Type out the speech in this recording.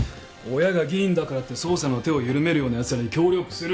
親が議員だからって捜査の手を緩めるようなやつらに協力する気はない。